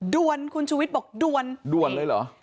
ด่วนคุณชูวิทย์บอกด่วนด่วนเลยเหรอ